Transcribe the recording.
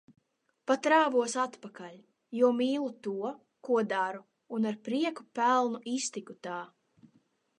Pat rāvos atpakaļ. Jo mīlu to, ko daru un ar prieku pelnu iztiku tā.